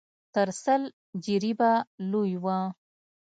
تر سل جريبه لوى و.